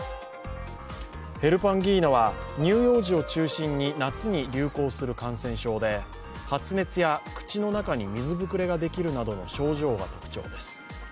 ヘルパンギーナは乳幼児を中心に夏に流行する感染症で発熱や口の中に水ぶくれができるなどの症状が特徴です。